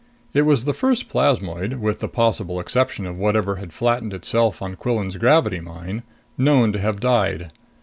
It was the first plasmoid with the possible exception of whatever had flattened itself out on Quillan's gravity mine known to have died.